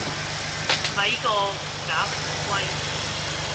咪過狐假虎威